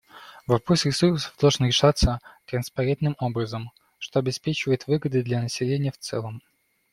Вопрос ресурсов должен решаться транспарентным образом, что обеспечивает выгоды для населения в целом.